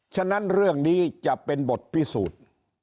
ฉะนั้นเรื่องนี้จะเป็นบทพิสูจน์